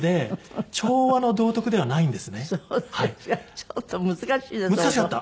ちょっと難しいなと。